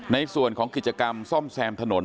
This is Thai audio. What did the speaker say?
ในส่วนของกิจกรรมซ่อมแซมถนน